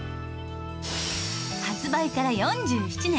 発売から４７年！